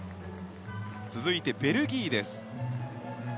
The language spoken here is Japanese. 続いてベルギーです。